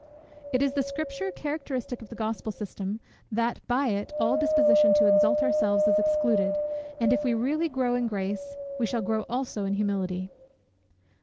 It is the Scripture characteristic of the Gospel system, that by it all disposition to exalt ourselves is excluded; and if we really grow in grace, we shall grow also in humility.